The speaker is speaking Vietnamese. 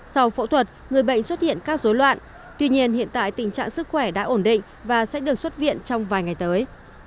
sau phẫu thuật người bệnh xuất hiện các dối loạn tuy nhiên hiện tại tình trạng sức khỏe đã ổn định và sẽ được xuất viện trong vài ngày tới